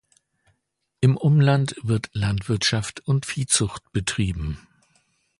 Im Umland wird Landwirtschaft und Viehzucht betrieben.